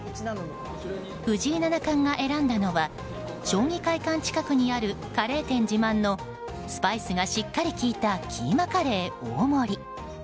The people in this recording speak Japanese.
藤井七冠が選んだのは将棋会館近くにあるカレー店自慢のスパイスがしっかり効いたキーマカレー大盛り。